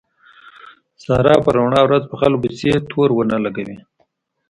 ساره په رڼا ورځ په خلکو پسې تورو نه لګوي.